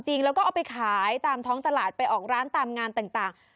แล้วก็เอาไปขายตามท้องตลาดไปออกร้านตามงานต่าง